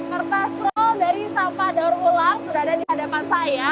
kertas roll dari sampah daur ulang sudah ada di hadapan saya